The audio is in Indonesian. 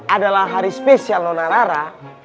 adalah hari spesial nona rara